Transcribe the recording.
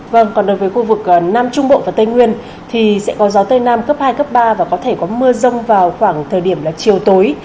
vâng còn đối với khu vực nam trung bộ và tây nguyên thì sẽ có gió tây nam cấp hai cấp ba và có thể có mưa rông vào khoảng thời điểm chiều tối